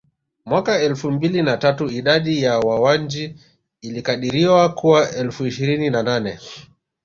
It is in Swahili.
Mwaka elfu mbili na tatu idadi ya Wawanji ilikadiriwa kuwa elfu ishirini na nane